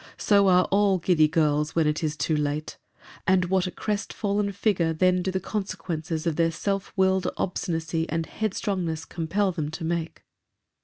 —So are all giddy girls, when it is too late: and what a crest fallen figure then do the consequences of their self willed obstinacy and headstrongness compel them to make!